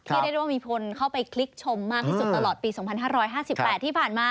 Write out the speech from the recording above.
เรียกได้ว่ามีคนเข้าไปคลิกชมมากที่สุดตลอดปี๒๕๕๘ที่ผ่านมา